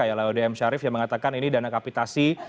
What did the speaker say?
yalawadiam syarif yang mengatakan ini dana kapitasi